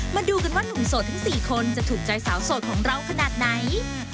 มาดูกันว่าหนุ่มโสดทั้ง๔คนจะถูกใจสาวโสดของเราขนาดไหน